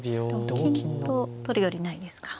同金と取るよりないですか。